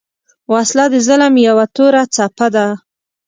وسله د ظلم یو توره څپه ده